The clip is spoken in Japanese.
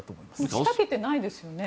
押しかけてないですよね。